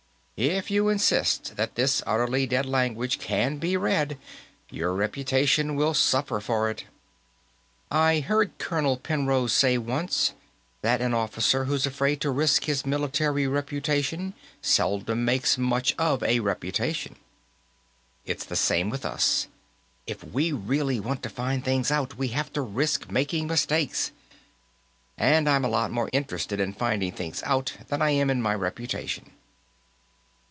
If you insist that this utterly dead language can be read, your reputation will suffer for it." "I heard Colonel Penrose say, once, that an officer who's afraid to risk his military reputation seldom makes much of a reputation. It's the same with us. If we really want to find things out, we have to risk making mistakes. And I'm a lot more interested in finding things out than I am in my reputation."